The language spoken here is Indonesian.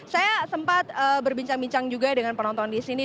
saya sempat berbincang bincang juga dengan penonton di sini